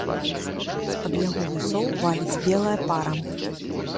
З-пад яго вусоў валіць белая пара.